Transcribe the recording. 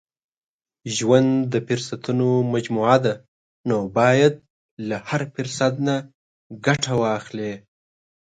• ژوند د فرصتونو مجموعه ده، نو باید له هر فرصت نه ګټه واخلې.